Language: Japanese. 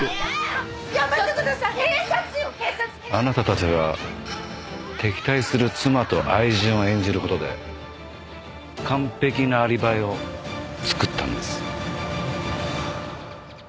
あなたたちは敵対する妻と愛人を演じる事で完璧なアリバイを作ったんです。